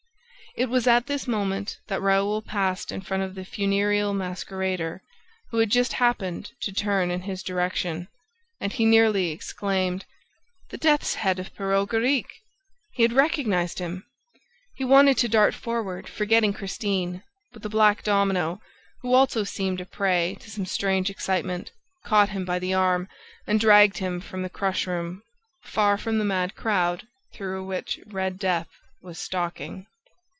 It was at this moment that Raoul passed in front of the funereal masquerader, who had just happened to turn in his direction. And he nearly exclaimed: "The death's head of Perros Guirec!" He had recognized him! ... He wanted to dart forward, forgetting Christine; but the black domino, who also seemed a prey to some strange excitement, caught him by the arm and dragged him from the crush room, far from the mad crowd through which Red Death was stalking...